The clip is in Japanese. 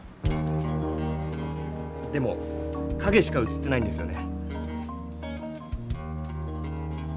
でも影しか写ってないんですよね。